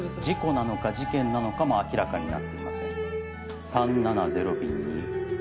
事故なのか事件なのかも明らかになっていません。